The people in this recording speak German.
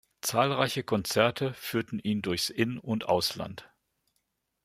Zahlreiche Konzerte führten ihn durchs In- und Ausland.